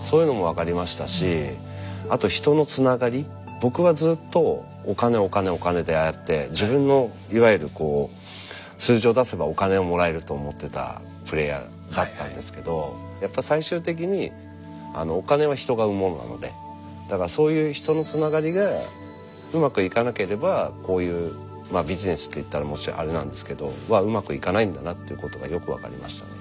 僕はずっとお金お金お金でああやって自分のいわゆる数字を出せばお金をもらえると思ってたプレーヤーだったんですけどやっぱ最終的にお金は人が生むものなのでだからそういう人のつながりがうまくいかなければこういうビジネスっていったらあれなんですけどうまくいかないんだなってことがよく分かりましたね。